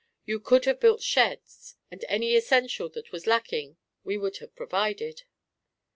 You could have built sheds, and any essential that was lacking we would have provided."